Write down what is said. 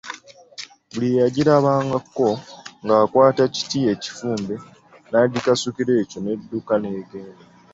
Buli eyagirabangako ng’akwata ekiti ekifumba nagikasukira ekyo nedduka negenda.